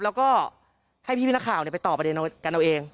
แล้วก็ให้พี่นักข่าวไปต่อประเด็นกันเอาเอง